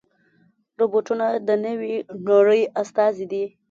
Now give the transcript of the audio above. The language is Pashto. روبوټونه د نوې نړۍ استازي دي.